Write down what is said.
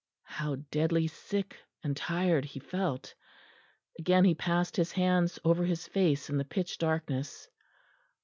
How deadly sick and tired he felt! Again he passed his hands over his face in the pitch darkness.